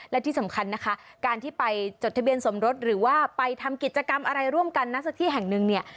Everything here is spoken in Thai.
และที่สำคัญนะคะการที่ไปจดทะเบียนสมรสหรือว่าไปทำกิจกรรมอะไรร่วมกันนักสักที่แห่งหนึ่งเนี่ย